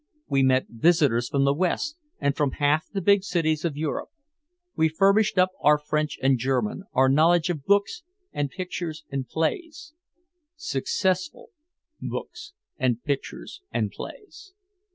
We met visitors from the West and from half the big cities of Europe. We furbished up our French and German, our knowledge of books and pictures and plays successful books and pictures and plays.